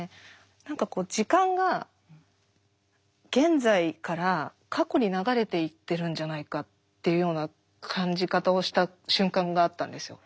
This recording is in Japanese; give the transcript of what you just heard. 何かこう時間が現在から過去に流れていってるんじゃないかっていうような感じ方をした瞬間があったんですよ。